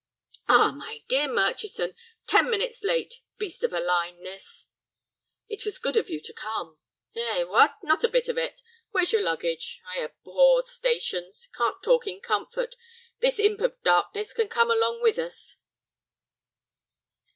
"Ah, my dear Murchison, ten minutes late; beast of a line this." "It was good of you to come." "Eh, what?—not a bit of it. Where's your luggage? I abhor stations; can't talk in comfort. This imp of darkness can come along with us."